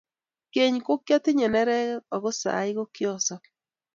keny ko kiatinye nereket ako saii ko kiasop